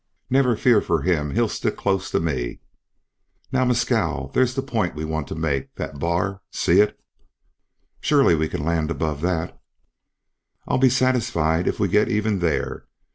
"Never fear for him! He'll stick close to me." "Now, Mescal, there's the point we want to make, that bar; see it?" "Surely we can land above that." "I'll be satisfied if we get even there.